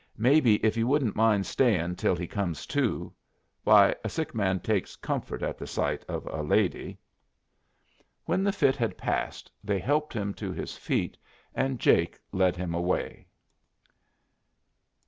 Maybe, if you wouldn't mind stayin' till he comes to Why, a sick man takes comfort at the sight of a lady." When the fit had passed they helped him to his feet, and Jake led him away.